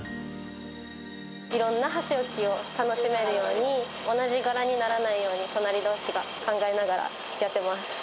いろんな箸置きを楽しめるように、同じ柄にならないように、隣どうしが、考えながらやってます。